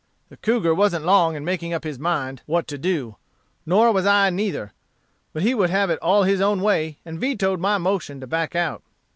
The cougar wasn't long in making up his mind what to do, nor was I neither; but he would have it all his own way, and vetoed my motion to back out.